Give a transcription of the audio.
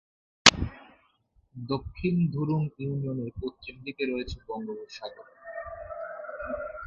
দক্ষিণ ধুরুং ইউনিয়নের পশ্চিম দিকে রয়েছে বঙ্গোপসাগর।